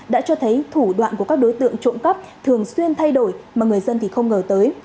đã cho thấy thủ đoạn của các đối tượng trộm cắp thường xuyên thay đổi mà người dân thì không ngờ tới